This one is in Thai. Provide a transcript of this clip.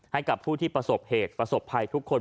ให้กับผู้ที่ประสบเหตุประสบภัยทุกคน